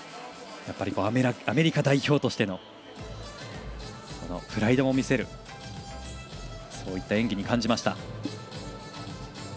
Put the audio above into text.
アメリカ代表としてのプライドも見せるそういった演技に感じました。